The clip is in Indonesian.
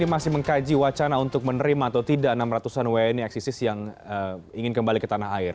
sejauh ini masih mengkaji wacana untuk menerima atau tidak enam ratusan wni eksisis yang ingin kembali ke tanah air